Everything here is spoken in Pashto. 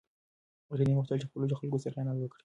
رېدي نه غوښتل چې له خپلو خلکو سره خیانت وکړي.